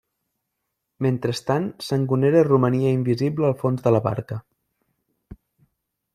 Mentrestant, Sangonera romania invisible al fons de la barca.